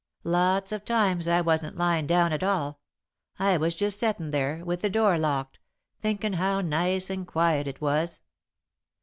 Lots of times I wasn't lyin' down at all I was just settin' there, with the door locked, thinkin' how nice and quiet it was.